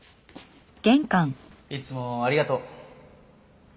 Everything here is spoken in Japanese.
いつもありがとう。